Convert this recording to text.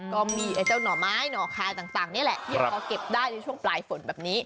ก็มีไอ้เจ้าหน่อไม้หน่อคายต่างนี่แหละที่พอเก็บได้ในช่วงปลายฝนแบบนี้